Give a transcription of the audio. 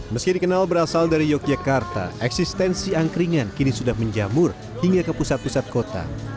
meski dikenal berasal dari yogyakarta eksistensi angkringan kini sudah menjamur hingga ke pusat pusat kota